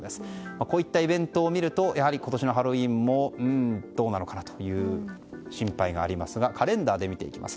こういうイベントを見ると今年のハロウィーンもどうなのかなという心配がありますがカレンダーで見ていきます。